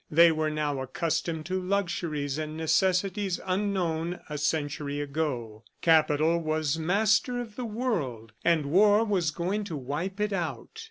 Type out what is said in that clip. They were now accustomed to luxuries and necessities unknown a century ago. Capital was master of the world, and war was going to wipe it out.